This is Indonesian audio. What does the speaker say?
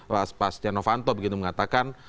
pak stianowanto begitu mengatakan